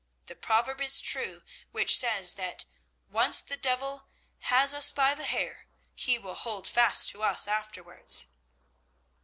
The proverb is true which says that, once the devil has us by the hair, he will hold fast to us afterwards.'